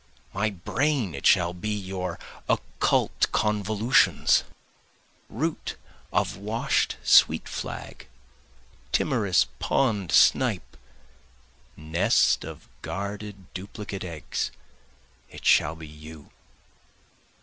My brain it shall be your occult convolutions! Root of wash'd sweet flag! timorous pond snipe! nest of guarded duplicate eggs! it shall be you!